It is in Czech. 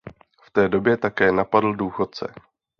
V té době také napadl důchodce.